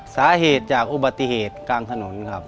สาเหตุจากอุบัติเหตุกลางถนนครับ